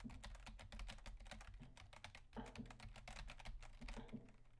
Unlike most other newsmagazines, "Downtown" was never carried by any big name anchor.